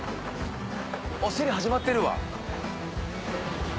あっセリ始まってるわ。